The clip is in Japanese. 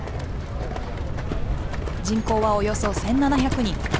人口はおよそ１７００人。